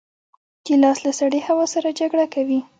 ګیلاس له سړې هوا سره جګړه کوي.